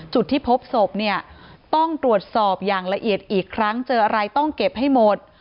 จุดที่พบศพเนี่ยต้องตรวจสอบอย่างละเอียดอีกครั้งเจออะไรต้องเก็บให้หมด